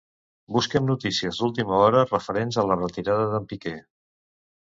Busca'm notícies d'última hora referents a la retirada d'en Piqué.